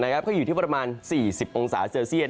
ก็อยู่ที่ประมาณ๔๐องศาเซลเซียต